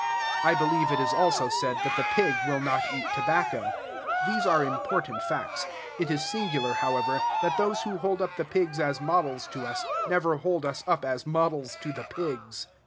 I believe it is also said that the pig will not eat tobacco. These are important facts. It is singular, however, that those who hold up the pigs as models to us never hold us up as models to the pigs.